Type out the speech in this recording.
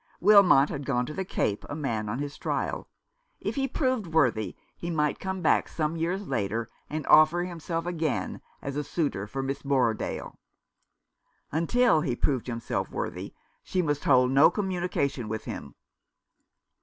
Wilmot had gone to the Cape a man on his trial. If he proved worthy he might come back some years later and offer himself again as a suitor for Miss Borrodaile. Until he proved himself worthy she must hold no communication with him.